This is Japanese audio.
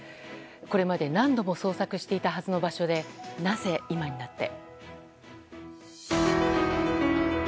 これまで何度も捜索していたはずの場所でなぜ、今になって。